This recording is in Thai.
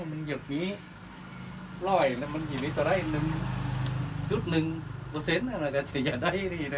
มันอยากมีรอยมันอยู่ในตราย๑๑เปอร์เซ็นต์มันก็จะอย่าได้เลย